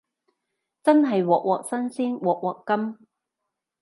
真係鑊鑊新鮮鑊鑊甘